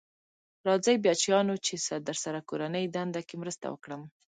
راځی بچیانو چې درسره کورنۍ دنده کې مرسته وکړم.